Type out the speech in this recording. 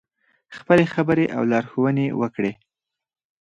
خپلې خبرې او لارښوونې وکړې.